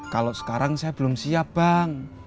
kalau sekarang saya belum siap bang